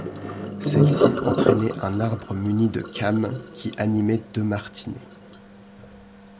Celle-ci entraînait un arbre muni de cames qui animait deux martinets.